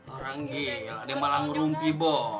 orang gila dia malah ngerungki bola